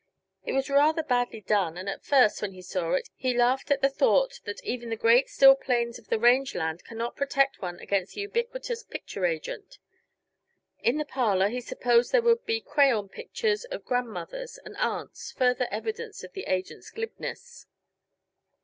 It was rather badly; done, and at first, when he saw it, he laughed at the thought that even the great, still plains of the range land cannot protect one against the ubiquitous picture agent. In the parlor, he supposed there would be crayon pictures of grandmothers and aunts further evidence of the agent's glibness.